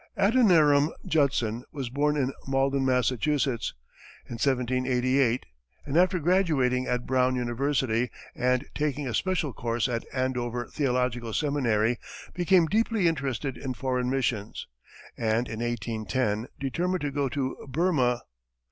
Adoniram Judson was born in Malden, Massachusetts, in 1788, and after graduating at Brown University, and taking a special course at Andover Theological seminary, became deeply interested in foreign missions, and in 1810, determined to go to Burmah.